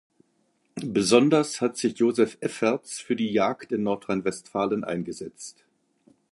Besonders hat sich Josef Effertz für die Jagd in Nordrhein-Westfalen eingesetzt.